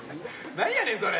なんやねんそれ。